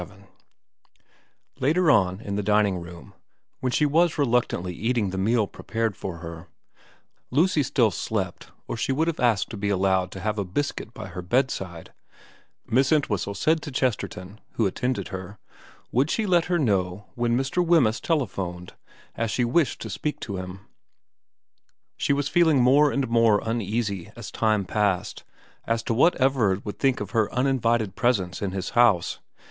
XXVII LATER on in the dining room, when she was reluctantly eating the meal prepared for her Lucy still slept, or she would have asked to be allowed to have a biscuit by her bedside Miss Entwhistle said to Chesterton, who attended her, Would she let her know when MX. Wemyss telephoned, as she wished to speak to him. She was feeling more and more uneasy as time passed as to what Everard would think of her uninvited presence in his house.